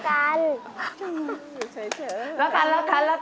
ถนหยุดเฉย